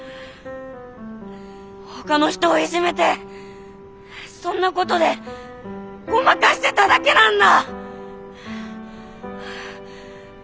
ほかの人をいじめてそんなことでごまかしてただけなんだ！